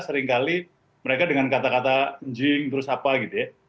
seringkali mereka dengan kata kata enjing terus apa gitu ya